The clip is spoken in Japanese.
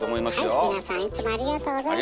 はい皆さんいつもありがとうございます。